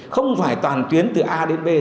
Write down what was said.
không phải toàn tuyến từ a đến b